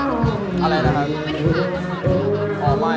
มันปล่อยได้มั้ยมันไม่ทราบทั้งที